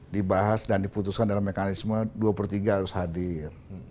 dibahas dan diputuskan dalam mekanisme dua per tiga harus hadir